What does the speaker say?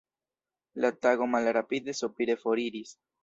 La tago malrapide sopire foriris.